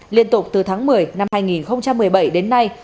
liên tục từ tháng một mươi năm hai nghìn một mươi bảy đến nay